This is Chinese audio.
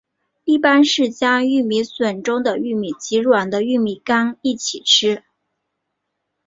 一般是将玉米笋中的玉米及软的玉米秆一起吃。